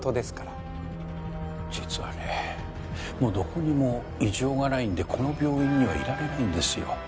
実はねもうどこにも異常がないんでこの病院にはいられないんですよ。